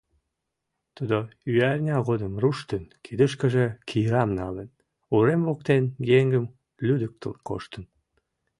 Тудо ӱярня годым, руштын, кидышкыже кирам налын, урем воктен еҥым лӱдыктыл коштын.